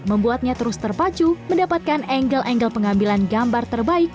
membuatnya terus terpacu mendapatkan angle angle pengambilan gambar terbaik